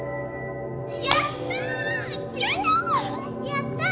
やった！